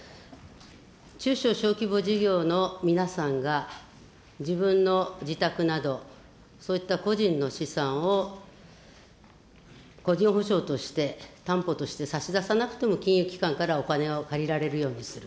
中小小規模事業の皆さんが、自分の自宅など、そういった個人の資産を個人保証として、担保として差し出さなくても金融機関からお金が借りられるようにする。